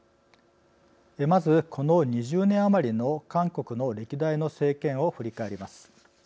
まずこの２０年余りの韓国の歴代の政権を振り返ります。